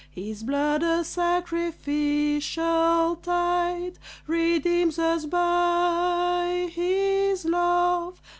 His blood, a sacrificial tide, Redeems us by his love.